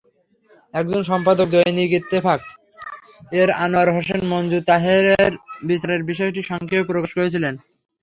একজন সম্পাদক—দৈনিক ইত্তেফাক-এর আনোয়ার হোসেন মঞ্জু—তাহেরের বিচারের বিষয়টি সংক্ষেপে প্রকাশ করেছিলেন।